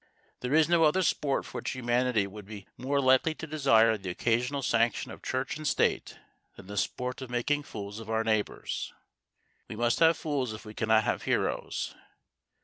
There is no other sport for which humanity would be more likely to desire the occasional sanction of Church and State than the sport of making fools of our neighbours. We must have fools if we cannot have heroes.